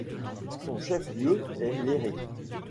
Son chef-lieu est Léré.